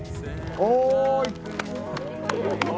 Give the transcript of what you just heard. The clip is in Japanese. おい！